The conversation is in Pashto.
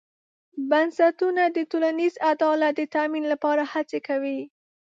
بنسټونه د ټولنیز عدالت د تامین لپاره هڅه کوي.